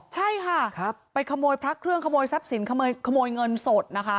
ใช่ค่ะไปขโมยพระเครื่องขโมยทรัพย์สินขโมยเงินสดนะคะ